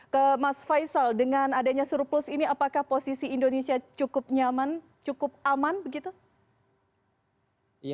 ke mas faisal dengan adanya surplus ini apakah posisi indonesia cukup nyaman cukup aman begitu